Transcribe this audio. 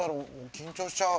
緊張しちゃう。